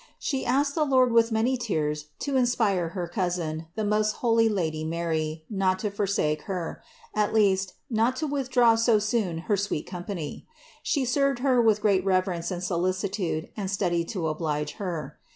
She asked the Lord with many tears to inspire her Cousin, the most holy Lady Mary, not to forsake her ; at least, not to withdraw so soon her sweet company. She served Her with great reverence and solicitude and studied to oblige Her.